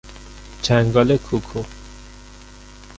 چنگال کوکو